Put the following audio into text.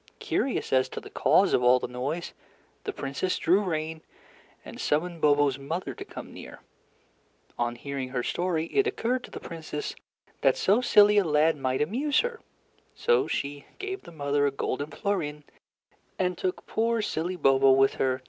Curious as to the cause of all the noise, the Princess drew rein, and summoned Bobo's mother to come near. On hearing her story, it occurred to the Princess that so silly a lad might amuse her; so she gave the mother a golden florin, and took poor silly Bobo with her to be her page.